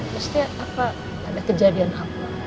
mesti ada kejadian apa